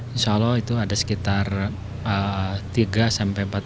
insya allah itu ada sekitar tiga empat ribu masyarakat